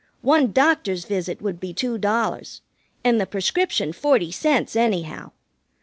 One doctor's visit would be two dollars, and the prescription forty cents, anyhow.